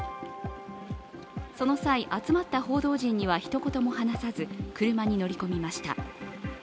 その際、集まった報道陣にはひと言も話さず車に乗り込みました。